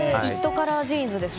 カラージーンズですね。